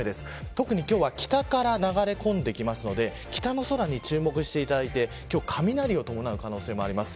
特に今日は北から流れ込んでくるので北の空に注目していただいて雷を伴う可能性もあります。